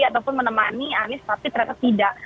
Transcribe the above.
ataupun menemani anies tapi ternyata tidak